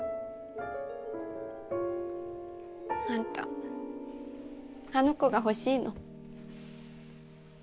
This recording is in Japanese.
あんたあの子が欲しいの？